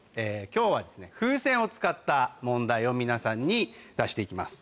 今日は風船を使った問題を皆さんに出して行きます。